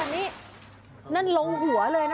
โอ้ยแล้วที่ร้องนั่นคือคนหรือผีค่ะแล้วที่ร้องนั่นคือคนหรือผีค่ะ